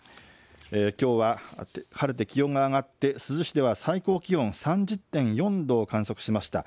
きょうは晴れて気温が上がって珠洲市では最高気温３０．４度を観測しました。